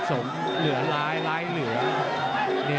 มันต้องอย่างงี้มันต้องอย่างงี้